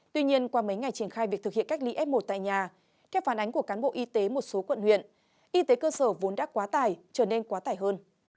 tuy nhiên qua mấy ngày triển khai việc thực hiện cách ly f một tại nhà theo phản ánh của cán bộ y tế một số quận huyện y tế cơ sở vốn đã quá tải trở nên quá tải hơn